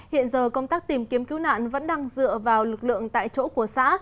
hiện giờ công tác tìm kiếm cứu nạn vẫn đang dựa vào lực lượng tại chỗ của xã